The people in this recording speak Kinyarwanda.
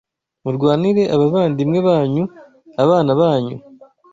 Murwanire abavandimwe banyu abana banyu